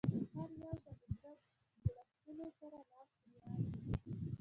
هر یو د قدرت جوړښتونو سره لاس ګرېوان دي